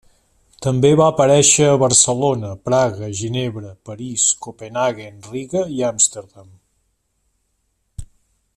També va aparèixer a Barcelona, Praga, Ginebra, París, Copenhaguen, Riga i Amsterdam.